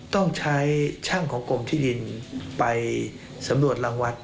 ต้องใช้ช่างของกรมที่ดินไปสำรวจรังวัด